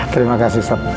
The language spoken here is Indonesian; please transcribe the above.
terima kasih ustadz